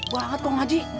banget kong haji